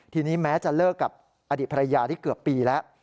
ทีนี้แม้จะเลิกกับอดีตภรรยาได้เกือบปีแล้ว